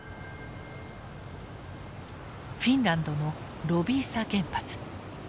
フィンランドのロヴィーサ原発。